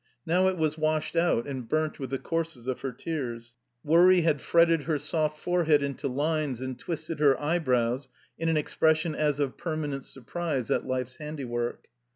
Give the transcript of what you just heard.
Now it was washed out and burnt with the courses of her tears. Worry had fretted her soft forehead into lines and twisted her eyebrows in an expression as of permanent surprise at life's handiwork.